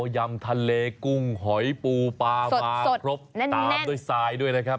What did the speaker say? ยำทะเลกุ้งหอยปูปลามาครบตามด้วยทรายด้วยนะครับ